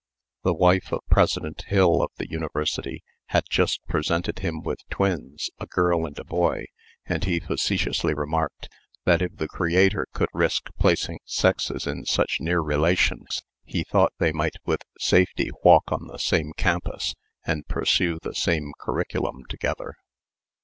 The wife of President Hill of the University had just presented him with twins, a girl and a boy, and he facetiously remarked, "that if the Creator could risk placing sexes in such near relations, he thought they might with safety walk on the same campus and pursue the same curriculum together."